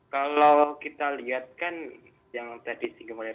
kalau kita lihatkan yang tadi singgung oleh